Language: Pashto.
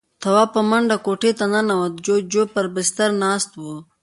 تواب په منډه کوټې ته ننوت. جُوجُو پر بستره ناست و.